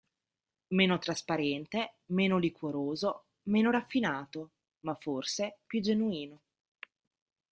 Meno trasparente, meno liquoroso, meno raffinato: ma forse più genuino”.